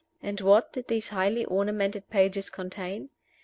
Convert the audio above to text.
And what did these highly ornamental pages contain?